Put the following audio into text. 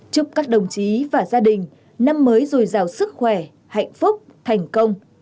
chúc các đồng chí và gia đình năm mới rồi giàu sức khỏe hạnh phúc thành công